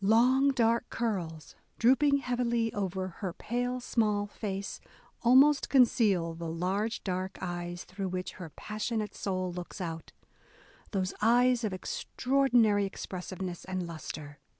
Long dark curls, drooping heavily over her pale small face, almost conceal the large dark eyes through which her passion ate soul looks out, — those eyes of extraordinary expressiveness and lustre.